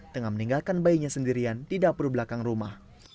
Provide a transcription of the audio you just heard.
tengah meninggalkan bayinya sendirian di dapur belakang rumah